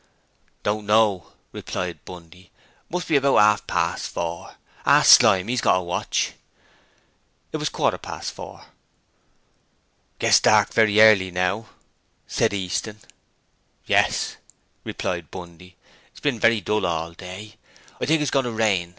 'Don't know,' replied Bundy. 'It must be about half past four. Ask Slyme; he's got a watch.' It was a quarter past four. 'It gets dark very early now,' said Easton. 'Yes,' replied Bundy. 'It's been very dull all day. I think it's goin' to rain.